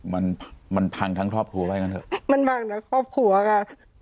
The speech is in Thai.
มันมันพังทั้งครอบครัวว่าอย่างนั้นเถอะมันพังทั้งครอบครัวค่ะ